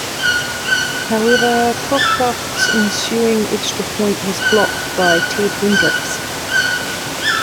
However, Cockroft's ensuing extra point was blocked by Ted Hendricks.